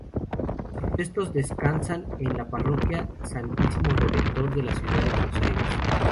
Sus restos descansan en la Parroquia Santísimo Redentor de la Ciudad de Buenos Aires.